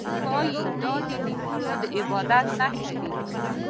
ښايي دا د نیکونو د عبادت نښه وي